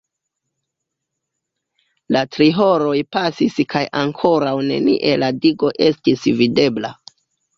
La tri horoj pasis kaj ankoraŭ nenie "la digo" estis videbla.